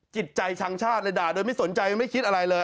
จิตใจชังชาติเลยด่าโดยไม่สนใจไม่คิดอะไรเลย